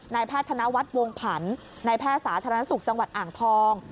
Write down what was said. แพทย์ธนวัฒน์วงผันนายแพทย์สาธารณสุขจังหวัดอ่างทอง